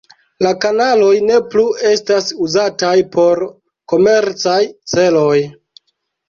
La kanaloj ne plu estas uzataj por komercaj celoj.